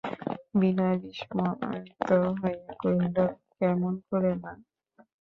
বিনয় বিস্মিত হইয়া কহিল, কেমন করে মা?